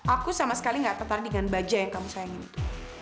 aku sama sekali nggak tertarik dengan baja yang kamu sayangin itu